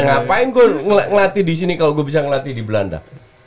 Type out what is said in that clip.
ngapain gue ngelatih di sini kalau gue bisa ngelatih di belanda